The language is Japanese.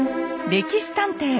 「歴史探偵」